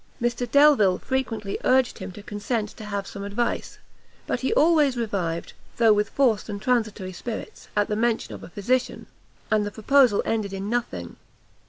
Mr Delvile frequently urged him to consent to have some advice; but he always revived, though with forced and transitory spirits, at the mention of a physician, and the proposal ended in nothing.